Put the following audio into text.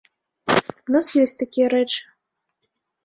У нас ёсць такія рэчы.